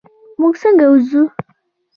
مونږ څنګه ووځو؟